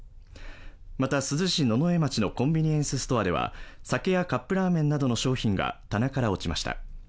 また、珠洲市野々江町のコンビニエンスストアでは、酒やカップラーメンなどの商品が棚から落ちました。